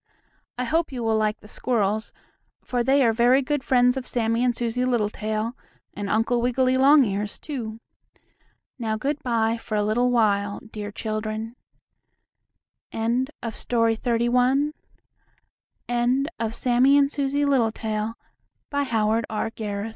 I hope you will like the squirrels, for they are very good friends of Sammie and Susie Littletail, and Uncle Wiggily Longears, too. Now, good bye for a little while, dear children. THE END End of Project Gutenberg's Sammie and Susie Littletail, by Howard R. Garis EN